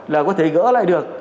là có thể gỡ lại được